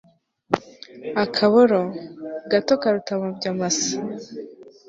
akaboro, gato karuta amabya masa